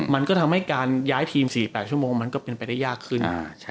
มันก็ทำให้การย้ายทีม๔๘ชั่วโมงมันก็เป็นไปได้ยากขึ้น